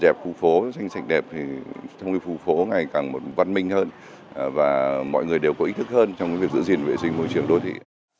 đẹp khu phố xanh sạch đẹp thì trong khu phố ngày càng văn minh hơn và mọi người đều có ý thức hơn trong việc giữ gìn vệ sinh môi trường đô thị